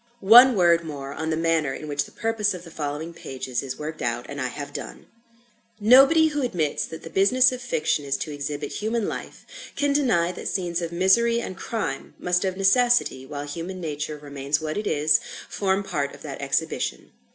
One word more on the manner in which the purpose of the following pages is worked out and I have done. Nobody who admits that the business of fiction is to exhibit human life, can deny that scenes of misery and crime must of necessity, while human nature remains what it is, form part of that exhibition.